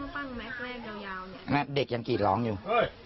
ช่วงปั้งแม็กซ์แรกเดียวยาวเนี้ยนะเด็กยังกิดร้องอยู่